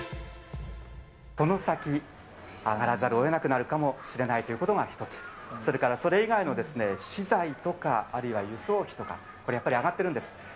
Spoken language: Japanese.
この先、上がらざるをえなくなるかもしれないということが一つ、それからそれ以外の資材とか、あるいは輸送費とか、これ、やっぱり上がっているんです。